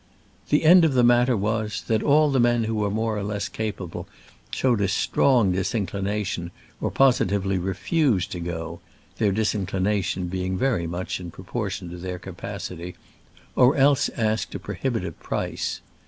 *' The end of the matter was, that all the men who were more or less capable showed a strong disinclination or posi tively refused to go (their disinclination being very much in proportion to their capacity), or else asked a prohibitive price.